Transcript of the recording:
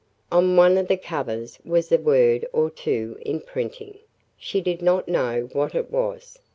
On one of the covers was a word or two in printing. She did not know what it was.